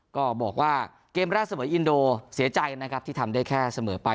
ก็บอกว่าเกมแรกเสมออินโดเสียใจนะครับที่ทำได้แค่เสมอไป